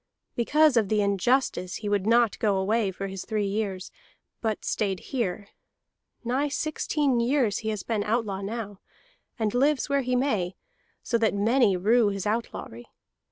Because of the injustice he would not go away for his three years, but stayed here. Nigh sixteen years he has been outlaw now, and lives where he may, so that many rue his outlawry.